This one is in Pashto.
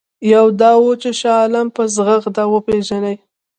یوه دا وه چې شاه عالم په زغرده وپېژني.